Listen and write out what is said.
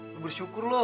lu bersyukur loh